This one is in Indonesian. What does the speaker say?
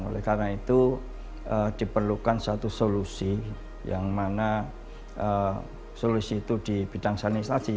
oleh karena itu diperlukan satu solusi yang mana solusi itu di bidang sanitasi